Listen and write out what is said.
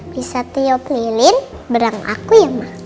bisa tiup lilin berang aku ya ma